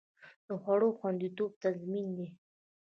د خوړو خوندیتوب تضمین دی؟